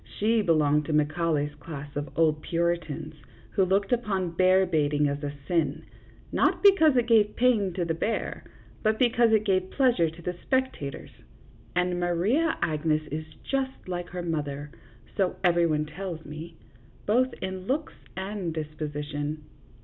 She belonged to Macaulay's class of old Puritans, who looked upon bear baiting as a sin, not because it gave pain to the bear, but because it gave pleasure to the spectators, and Maria Agnes is just like her mother, so every one tells me, both in looks and dis position."